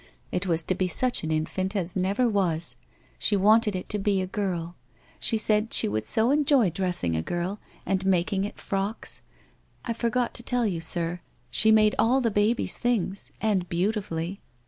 It was to be such an infant as never was ! She wanted it to be a girl. She said she would so enjoy dressing a girl, and making it frocks. I forgot to tell you, sir, she made all the baby's things and beautifully.